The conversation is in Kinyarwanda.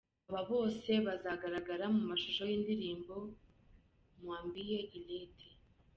Aba bose bazagaragara mu mashusho y'indirimbo Mwambie Ilete.